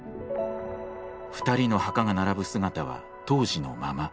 ２人の墓が並ぶ姿は当時のまま。